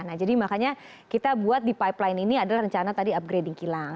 nah jadi makanya kita buat di pipeline ini adalah rencana tadi upgrading kilang